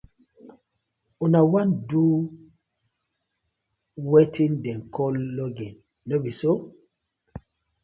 Una wan to do weten dem call logging, no bi so?